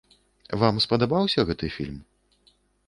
Вам спадабаўся гэты фільм?